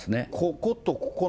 こことここの、